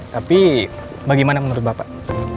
tapi bagaimana menurut bapak